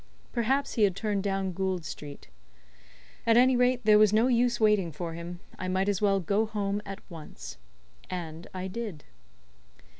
Perhaps he had turned down Gould Street. At any rate, there was no use waiting for him. I might as well go home at once. And I did.